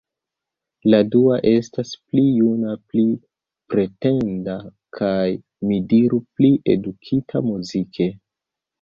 La dua estas pli juna, pli pretenda kaj, mi diru, pli edukita muzike.